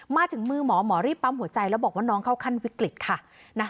มาถึงมือหมอหมอรีบปั๊มหัวใจแล้วบอกว่าน้องเข้าขั้นวิกฤตค่ะ